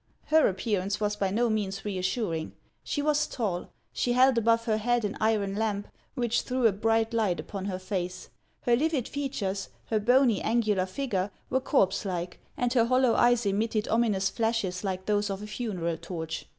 Her appearance was by no means reassuring. She was tall ; she held above her head an iron lamp, which threw a bright light upon her face. Her livid features, her bony, angular figure, were corpse like, and her hollow eyes emitted ominous flashes like those of a funeral torch.